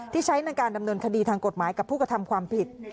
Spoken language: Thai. ใช้ในการดำเนินคดีทางกฎหมายกับผู้กระทำความผิด